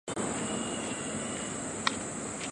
城区整体位于平原地带。